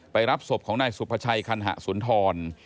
รับศพของนายสุภาชัยคันหะสุนทร